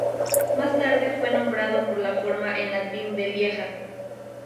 Más tarde fue nombrado por la forma en latín de Lieja.